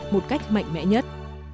một cách mạnh mẽ nhất